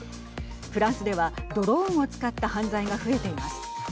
フランスではドローンを使った犯罪が増えています。